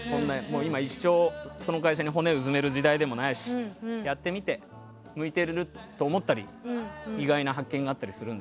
今、一生、その会社に骨をうずめる時代でもないしやってみて向いていると思ったり意外な発見があったり。